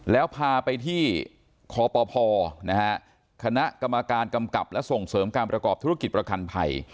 แล้วพาไปที่คปคณะกรรมการกำกับและส่งเสริมการประกอบธุรกิจประกันภัย